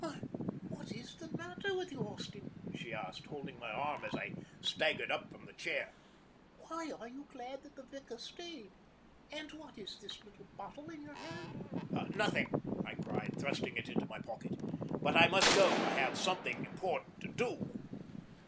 "Why, what is the matter with you, Austin?" she asked, holding my arm as I staggered up from the chair. "Why are you glad that the vicar stayed? And what is this little bottle in your hand?" "Nothing," I cried, thrusting it into my pocket. "But I must go. I have something important to do."